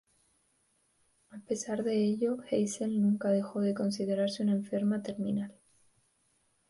A pesar de ello, Hazel nunca dejó de considerarse una enferma terminal.